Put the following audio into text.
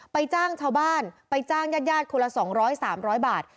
ไปจ้างชาวบ้านไปจ้างญาติหญาติคนละ๒๐๐บาท๓๐๐บาท